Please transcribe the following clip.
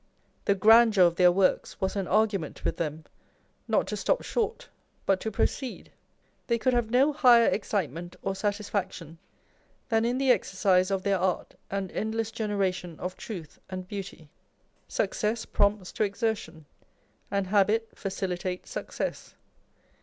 The grandeur of their works was an argument with them, not to stop short, but to proceed. They could have no higher excitement or satisfaction than in the exercise of their art and endless generation of truth and beauty. Success prompts to exertion ; and habit facilitates success.